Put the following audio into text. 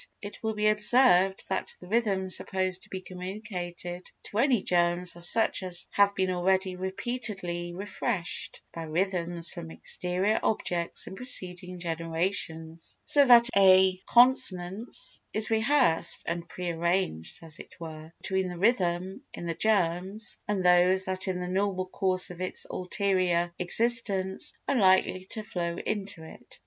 It will be observed that the rhythms supposed to be communicated to any germs are such as have been already repeatedly refreshed by rhythms from exterior objects in preceding generations, so that a consonance is rehearsed and pre arranged, as it were, between the rhythm in the germ and those that in the normal course of its ulterior existence are likely to flow into it.